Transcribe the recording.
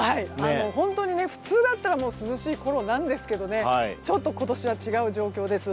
本当に普通だったら涼しいころですが今年は違う状況です。